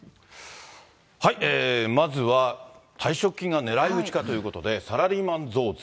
まずは、退職金が狙い撃ちかということで、サラリーマン増税。